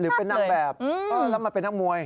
หรือเป็นนางแบบแล้วมาเป็นนักมวย